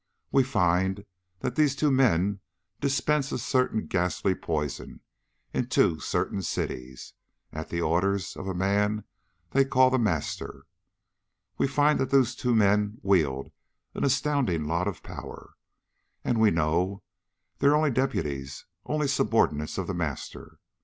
We find that two men dispense a certain ghastly poison in two certain cities, at the orders of a man they call The Master. We find that those two men wield an astounding lot of power, and we know they're only deputies, only subordinates of the Master.